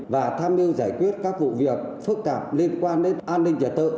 và tham mưu giải quyết các vụ việc phức tạp liên quan đến an ninh trả tự